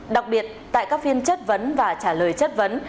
đặc biệt tại các phiên chất vấn và trả lời chất vấn